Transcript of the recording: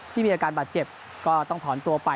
มีอาการบาดเจ็บก็ต้องถอนตัวไป